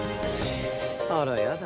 あらやだ。